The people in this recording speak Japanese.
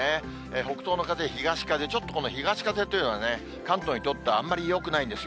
北東の風、東風、ちょっとこの東風は関東にとっては、あんまりよくないんですよ。